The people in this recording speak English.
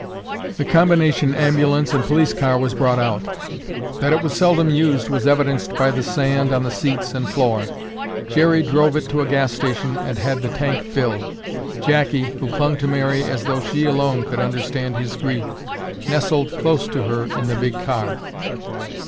The combination ambulance and police car was brought out. That it was seldom used was evidenced by the sand on the seats and floor. Jerry drove it to a gas station and had the tank filled. Jackie, who clung to Mary as though she alone could understand his grief, nestled close to her in the big car.